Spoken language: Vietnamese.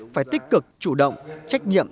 phải tích cực chủ động trách nhiệm